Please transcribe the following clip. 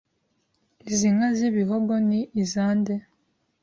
Izi nka z’ibihogo ni izande